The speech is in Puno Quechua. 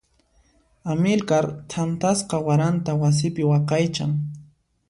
Amilcar thantasqa waranta wasipi waqaychan.